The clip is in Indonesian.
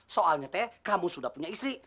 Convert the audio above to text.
soalnya teh kamu sudah punya istri